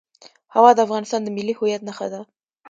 هوا د افغانستان د ملي هویت نښه ده.